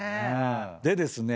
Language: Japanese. でですね